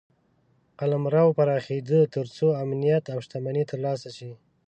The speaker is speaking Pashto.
قلمرو پراخېده تر څو امنیت او شتمني ترلاسه شي.